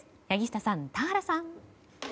柳下さん、田原さん。